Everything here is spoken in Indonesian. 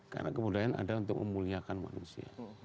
karena kebudayaan ada untuk memuliakan manusia